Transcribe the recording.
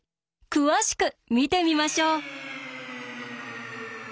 詳しく見てみましょう！